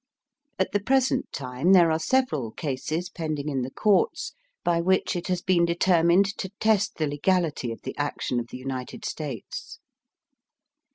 At the present time there are several cases pending in the Courts by which it has been determined to test the legality of the action of the United States.